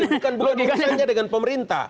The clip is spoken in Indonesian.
itu kan bukan urusannya dengan pemerintah